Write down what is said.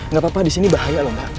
gak apa apa disini bahaya loh mbak